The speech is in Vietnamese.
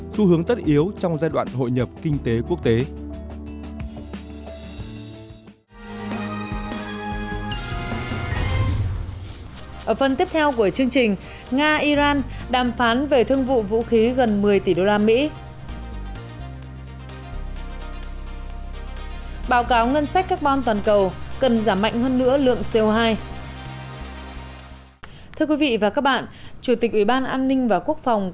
xu hướng tăng trưởng